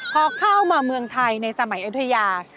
พอเข้ามาเมืองไทยในสมัยอยุธยา